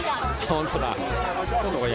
本当だ。